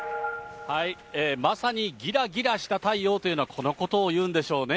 まさにぎらぎらした太陽というのはこのことを言うんでしょうね。